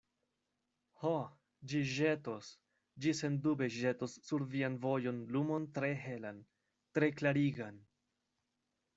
Ho, ĝi ĵetos, ĝi sendube ĵetos sur vian vojon lumon tre helan, tre klarigan!